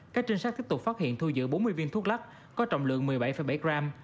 các trinh sát tiếp tục phát hiện thu giữ bốn mươi viên thuốc lắc có trọng lượng một mươi bảy bảy gram